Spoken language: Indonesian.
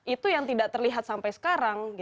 itu yang tidak terlihat sampai sekarang